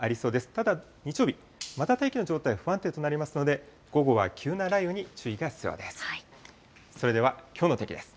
ただ日曜日、また大気の状態、不安定となりますので、午後は急な雷雨に注意が必要です。